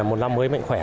một năm mới mạnh khỏe